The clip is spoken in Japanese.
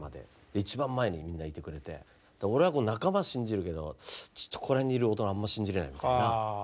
一番前にみんないてくれて俺は仲間信じるけどここら辺にいる大人あんま信じれないみたいな。